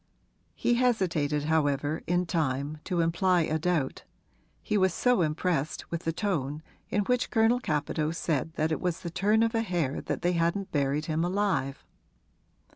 He hesitated however, in time, to imply a doubt he was so impressed with the tone in which Colonel Capadose said that it was the turn of a hair that they hadn't buried him alive.